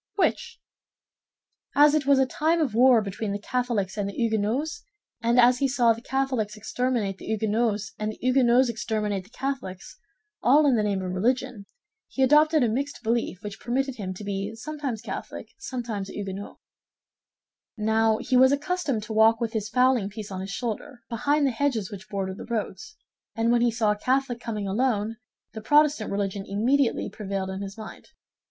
"Which?" "As it was a time of war between the Catholics and the Huguenots, and as he saw the Catholics exterminate the Huguenots and the Huguenots exterminate the Catholics—all in the name of religion—he adopted a mixed belief which permitted him to be sometimes Catholic, sometimes a Huguenot. Now, he was accustomed to walk with his fowling piece on his shoulder, behind the hedges which border the roads, and when he saw a Catholic coming alone, the Protestant religion immediately prevailed in his mind.